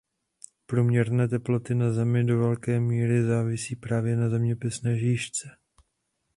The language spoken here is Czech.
Průměrné teploty na Zemi do velké míry závisí právě na zeměpisné šířce.